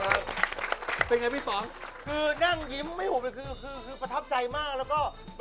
เรียกได้ขอบคุณคนไทยครับ